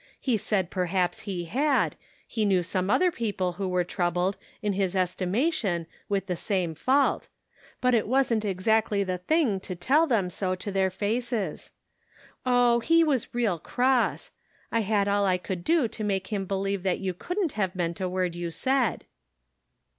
He said per haps he had ; he knew some other people who were troubled, in his estimation, with the same fault ; but it wasn't exactly the thing to tell them so to their faces. Oh, he was real cross. I had all I could do to make him believe that you couldn't have meant a word you said."